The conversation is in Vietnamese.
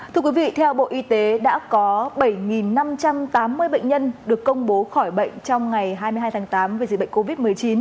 thưa quý vị theo bộ y tế đã có bảy năm trăm tám mươi bệnh nhân được công bố khỏi bệnh trong ngày hai mươi hai tháng tám về dịch bệnh covid một mươi chín